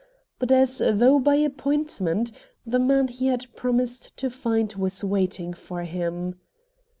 But as though by appointment, the man he had promised to find was waiting for him.